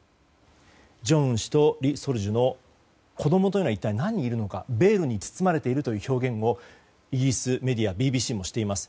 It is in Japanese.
正恩氏とリ・ソルジュの子供というのは一体、何人いるのかベールに包まれているという表現をイギリスメディアのＢＢＣはしています。